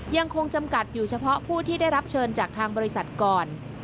ยังคงจำกัดอยู่เฉพาะผู้ที่ได้รับเชิญจากทางบริษัทก่อน